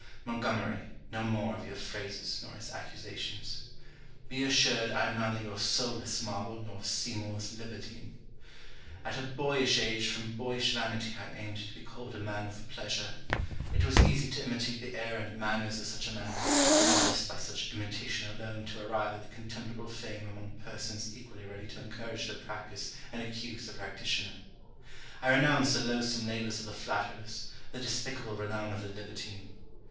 Montgomery, no more of your phrases, nor his accusations. Be assured I am neither your soul less marble, nor Seymour's libertine. At a boyish age from boyish vanity I aimed to be called a man of pleasure. It was easy to imitate the air and manners of such a man, and not less by such imitation alone to arrive at the contemptible fame among persons equally ready to encourage the practice and accuse the practitioner. I renounce the loathsome labours of the flatterers, the despicable renown of the libertine.